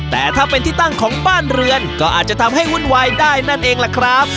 แต่ถ้าเป็นที่ตั้งของบ้านเรือนก็อาจจะทำให้วุ่นวายได้นั่นเองล่ะครับ